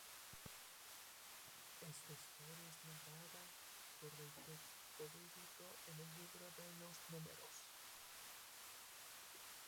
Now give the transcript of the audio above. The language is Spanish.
Esta historia es narrada por el texto bíblico en el "Libro de los Números".